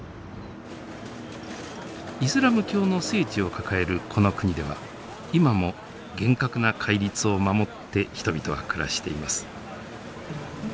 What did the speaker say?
イスラム教の聖地を抱えるこの国では今も厳格な戒律を守って人々は暮らしています。